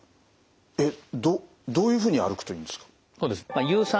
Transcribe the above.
えっどういうふうに歩くといいんですか？